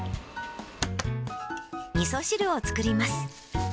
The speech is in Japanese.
みそ汁を作ります。